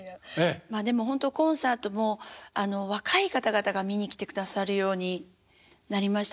まあでもほんとコンサートも若い方々が見に来てくださるようになりました。